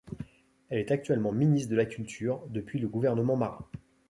Elle est actuellement ministre de la Culture depuis le gouvernement Mara.